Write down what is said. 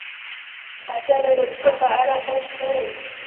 پاچا د منشور په اړه خوښ نه و.